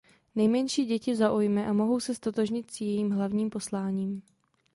Nejmenší děti zaujme a mohou se ztotožnit s jejím hlavním posláním.